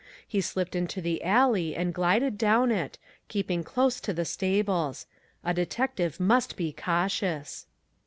He slipped into the alley and glided down it, keeping close to the stables. A detective must be cautious.